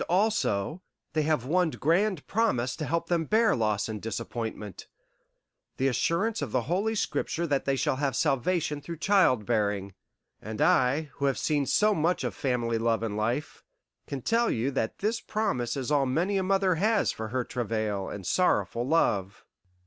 And, also, they have one grand promise to help them bear loss and disappointment the assurance of the Holy Scripture that they shall have salvation through child bearing. And I, who have seen so much of family love and life, can tell you that this promise is all many a mother has for her travail and sorrowful love."